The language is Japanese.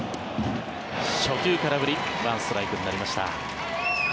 初球空振りワンストライクになりました。